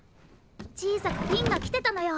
ちいさく「ピン」がきてたのよ！